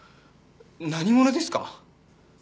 何者ですか？